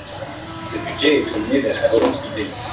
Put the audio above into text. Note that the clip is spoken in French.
Ce budget est tourné vers la relance du pays.